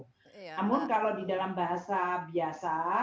namun kalau di dalam bahasa biasa